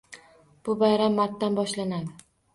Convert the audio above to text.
Bu bayram martdan boshlanadi.